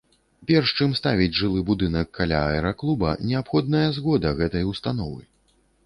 Перш чым ставіць жылы будынак каля аэраклуба, неабходная згода гэтай установы.